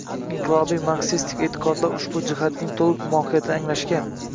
inqilobiy marksistik e’tiqodlar ushbu jihatning to‘liq mohiyatini anglashga